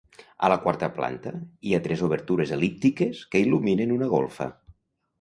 A la quarta planta hi ha tres obertures el·líptiques que il·luminen una golfa.